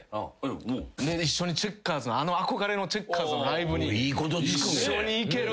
一緒にあの憧れのチェッカーズのライブに一緒に行ける。